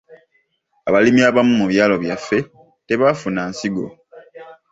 Abalimi abamu mu byalo byaffe tebaafuna nsigo.